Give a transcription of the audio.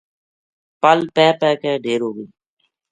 پل پے پے کے ڈھیر ہو گئی